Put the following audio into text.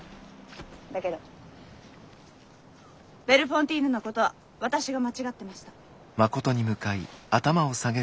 だけどベルフォンティーヌのことは私が間違ってました。